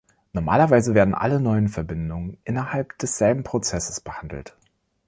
Normalerweise werden alle neuen Verbindungen innerhalb desselben Prozesses behandelt.